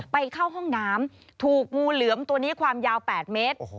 ไปเข้าห้องน้ำถูกงูเหลือมตัวนี้ความยาว๘เมตร